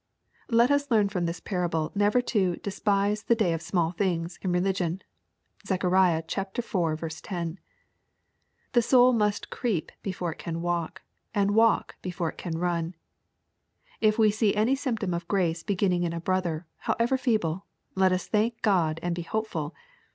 Let us learn from this parable never to " despise the day of small things" in religion. (Zee. iv. 10.) The soul must creep before it can walk, and walk before it can run. If we see any symptom of grace beginning in a brother, however feeble, let us thank God and be hopeful.